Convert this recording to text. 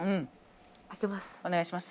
開けます。